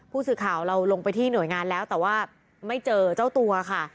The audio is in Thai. ผู้สื่อข่าวเราลงไปที่หน่วยงานแล้วแต่ว่าไม่เจอเจ้าตัวค่ะ